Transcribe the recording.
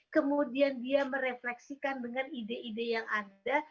kemudian dia merefleksikan dengan ide ide yang ada